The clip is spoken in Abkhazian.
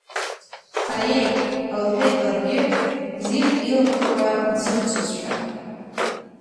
Аиеи, – лҳәеит ларгьы, зин илымҭакәа дзымцозшәа.